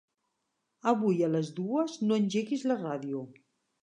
Avui a les dues no engeguis la ràdio.